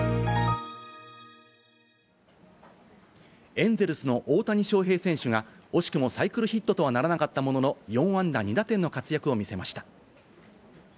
エンゼルスの大谷翔平選手が、惜しくもサイクルヒットとはならなかったものの、４安打２打点の活躍を見せました。